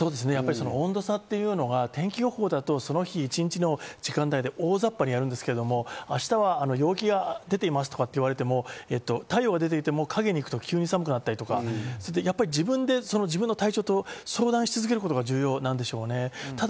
温度差というのが天気予報だと、一日の時間帯で大ざっぱにやりますが、明日は陽気がいいですと言われても太陽が出ていても、陰に行くと急に寒くなったり、自分で自分の体調と相談し続けることが重要でしょうね。